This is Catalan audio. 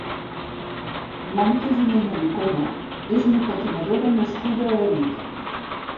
Mònica Gimeno i Coma és una patinadora nascuda a Vic.